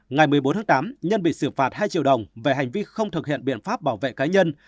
ngày một mươi bốn tháng tám nhân bị xử phạt hai triệu đồng về hành vi không thực hiện biện pháp bảo vệ cá nhân